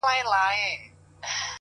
د دغه مار د ويښېدلو کيسه ختمه نه ده!!